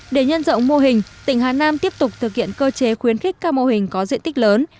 để nhân rộng mô hình tỉnh hà nam tiếp tục thực hiện cơ chế khuyến khích các mô hình có diện tích lớn